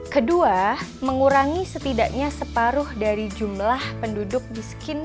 kedua mengurangi setidaknya separuh dari jumlah penduduk miskin